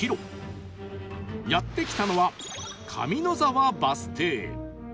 やって来たのは上野沢バス停